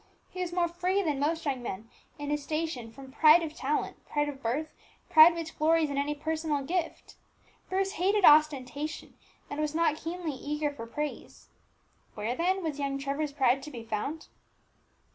He was more free than most young men in his station from pride of talent, pride of birth, pride which glories in any personal gift. Bruce hated ostentation, and was not keenly eager for praise. Where, then, was young Trevor's pride to be found?